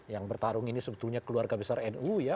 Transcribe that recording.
yang bertarung ini sebetulnya keluarga besar nu ya